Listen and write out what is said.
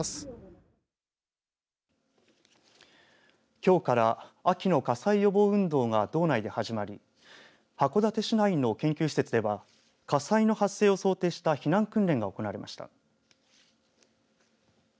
きょうから秋の火災予防運動が道内で始まり函館市内の研究施設では火災の発生を想定した避難訓練が行われました。